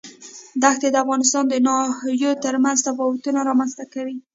دښتې د افغانستان د ناحیو ترمنځ تفاوتونه رامنځ ته کوي.